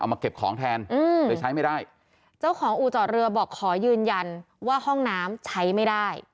มาเก็บของแทนอืมเลยใช้ไม่ได้เจ้าของอู่จอดเรือบอกขอยืนยันว่าห้องน้ำใช้ไม่ได้